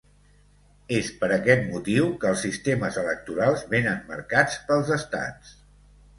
És per aquest motiu que els sistemes electorals vénen marcats pels estats.